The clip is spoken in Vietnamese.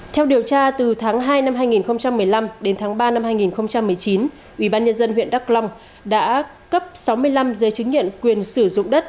theo điều tra từ tháng hai năm hai nghìn một mươi năm đến tháng ba năm hai nghìn một mươi chín ủy ban nhân dân huyện đắk lông đã cấp sáu mươi năm giấy chứng nhận quyền sử dụng đất